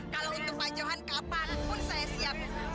kalau untuk pak johan kapan pun saya siap